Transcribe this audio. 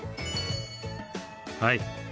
はい。